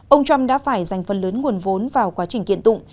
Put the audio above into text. ông trump đã phải dành phần lớn nguồn vốn vào quá trình kiện tụng